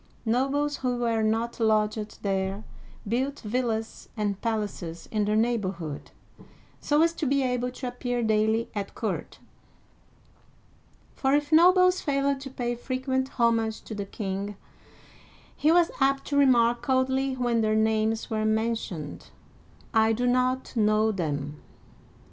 Nobles who were not lodged there built villas and palaces in the neighborhood, so as to be able to ap pear daily at court; for if nobles failed to pay frequent homage to the king, he was apt to remark coldly when their names were mentioned, " I do not know them.'